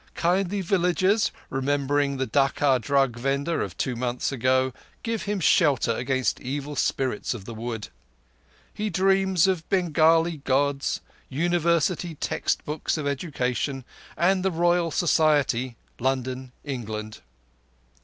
Kindly villagers, remembering the Dacca drug vendor of two months ago, give him shelter against evil spirits of the wood. He dreams of Bengali Gods, University text books of education, and the Royal Society, London, England.